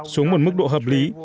xuống một mức độ hợp lý